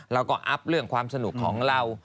อัพเรื่องความสนุกของเรา